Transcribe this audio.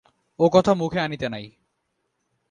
ও-কথা মুখে আনিতে নাই।